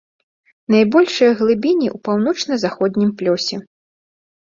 Найбольшыя глыбіні ў паўночна-заходнім плёсе.